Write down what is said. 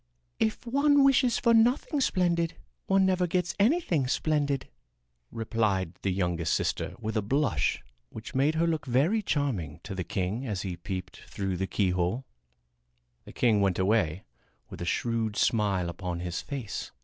"If one wishes for nothing splendid one never gets anything splendid," replied the youngest sister with a blush which made her look very charming to the king as he peeped through the keyhole. The king went away with a shrewd smile upon his face.